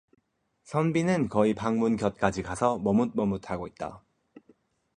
선비는 거의 방문 곁까지 가서 머뭇머뭇하고 있다.